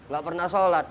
gak pernah sholat